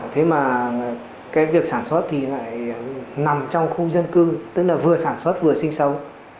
thế mà cái việc sản xuất thì lại nằm trong khu dân cư tức là vừa sản xuất vừa sinh sống